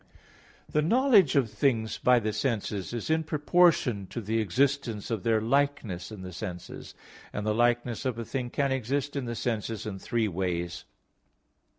The knowledge of things by the senses is in proportion to the existence of their likeness in the senses; and the likeness of a thing can exist in the senses in three ways.